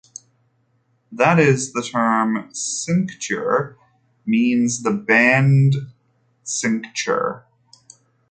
That is, the term "cincture" means the band cincture.